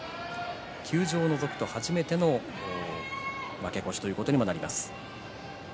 休場を除くと初めての負け越しということにもなります。